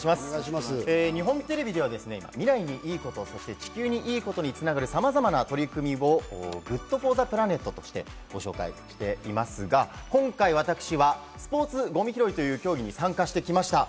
日本テレビでは未来にいいこと、地球にいことに繋がるさまざまな取り組みをＧｏｏｄＦｏｒＴｈｅＰｌａｎｅｔとしてご紹介していますが、今回、私はスポーツＧＯＭＩ拾いという競技に参加してきました。